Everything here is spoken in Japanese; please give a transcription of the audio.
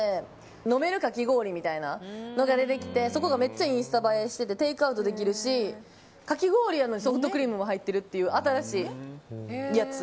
飲めるかき氷みたいなのが出てきてそこがめっちゃインスタ映えしててテイクアウトできるしかき氷やのにソフトクリームも入っているっていう新しいやつ。